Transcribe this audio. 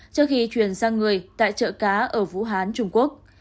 trước khi chuyển sang người tại chợ cá ở vũ hán trung quốc